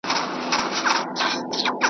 ږغ اوچت کړی دی .